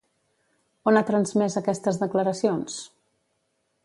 On ha transmès aquestes declaracions?